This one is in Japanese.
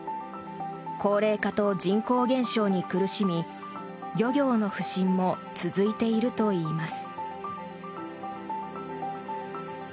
高齢化と人口減少に苦しみ漁業の不振も続いているといいます。